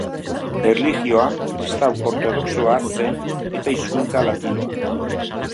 Erlijioa kristau ortodoxoa zen eta hizkuntza latinoa.